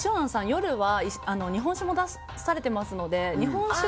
夜は日本酒も出されてますので合うね。